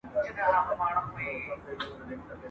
خدای ورکړی وو شهپر د الوتلو ..